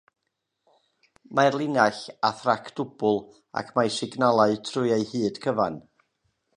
Mae'r linell â thrac dwbl ac mae signalau trwy ei hyd cyfan.